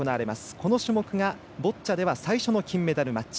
この種目がボッチャでは最初の金メダルマッチ。